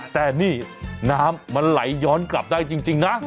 แต่นี่น้ำมันไหลย้อนกลับได้จริงนะ